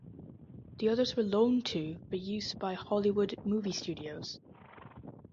The others were loaned to for use by Hollywood movie studios.